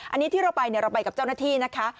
อันนี้ที่เราไปเราไปกับเจ้าหน้าที่นะคะ